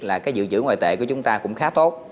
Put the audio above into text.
là cái giữ chữ ngoại tệ của chúng ta cũng khá tốt